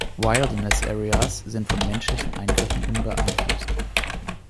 Wilderness Areas sind von menschlichen Eingriffen unbeeinflusst.